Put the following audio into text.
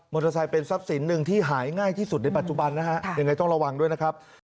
เตอร์ไซค์เป็นทรัพย์สินหนึ่งที่หายง่ายที่สุดในปัจจุบันนะฮะยังไงต้องระวังด้วยนะครับ